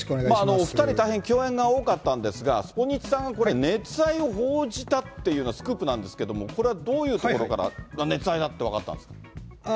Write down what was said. お２人、大変共演が多かったんですが、スポニチさんは、これ、熱愛を報じたっていうのはスクープなんですけども、これはどういうところから、熱愛だって分かったんですか？